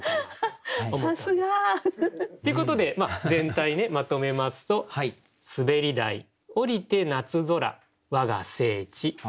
さすが！ということで全体まとめますと「滑り台降りて夏空わが聖地」。